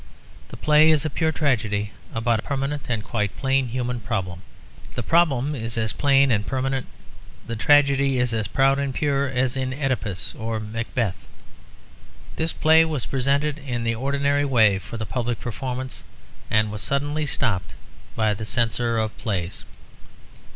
The play is a pure tragedy about a permanent and quite plain human problem; the problem is as plain and permanent, the tragedy is as proud and pure, as in OEdipus or Macbeth. This play was presented in the ordinary way for public performance and was suddenly stopped by the Censor of Plays.